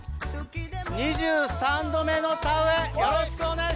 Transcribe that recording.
２３度目の田植えよろしくお願いします！